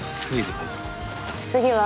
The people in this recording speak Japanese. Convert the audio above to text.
次は？